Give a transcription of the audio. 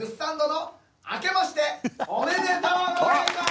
おめでとうございます！